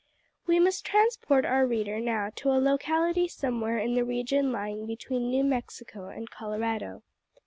We must transport our reader now to a locality somewhere in the region lying between New Mexico and Colorado.